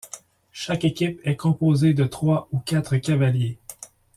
Chaque équipe est composée de trois ou quatre cavaliers.